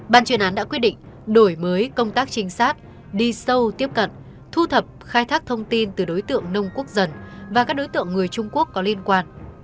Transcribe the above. ban chuyên án đã quyết định đổi mới công tác trinh sát đi sâu tiếp cận thu thập khai thác thông tin từ đối tượng nông quốc dân và các đối tượng người trung quốc có liên quan